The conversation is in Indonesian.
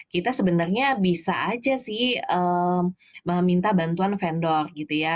kita sebenarnya bisa saja meminta bantuan vendor